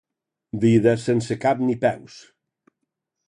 Vides sense cap ni peus.